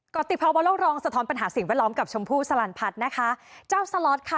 กรติภาวะโลกรองสะท้อนปัญหาสิ่งแวดล้อมกับชมพู่สลันพัฒน์นะคะเจ้าสล็อตค่ะ